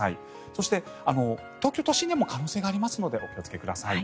そして東京都心でも可能性がありますのでお気をつけください。